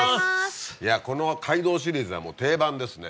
この街道シリーズはもう定番ですね。